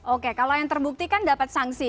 oke kalau yang terbukti kan dapat sanksi